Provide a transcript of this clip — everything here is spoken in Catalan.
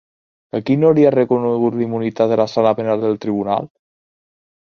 A qui no li ha reconegut la immunitat la sala penal del tribunal?